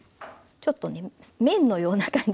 ちょっとね麺のような感じでね